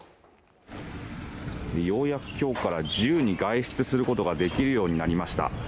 ようやくきょうから自由に外出することができるようになりました。